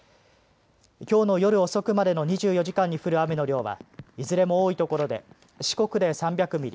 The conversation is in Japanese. きょうの夜遅くまでの２４時間に降る雨の量はいずれも多いところで四国で３００ミリ